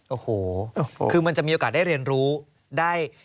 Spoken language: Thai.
โอ้โหคือมันจะมีโอกาสได้เรียนรู้ได้